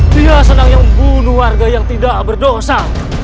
dia senang yang membunuh warga yang tidak berdosa